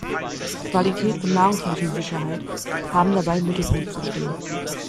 Qualität und Nahrungsmittelsicherheit haben dabei im Mittelpunkt zu stehen.